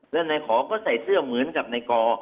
แล้วนายขอก็ใส่เสื้อเหมือนกับในกอ